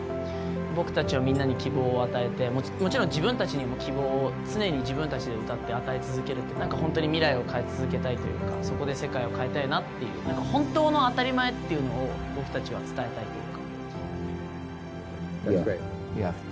僕たちは、みんなに希望を与えて、もちろん自分たちにも希望を、常に自分たちで歌って与え続けるって、なんか本当に未来を変え続けたいというか、そこで世界を変えたいなっていう、なんか本当の当たり前っていうのを、僕たちは伝えたいというか。